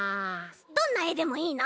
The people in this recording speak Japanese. どんなえでもいいの？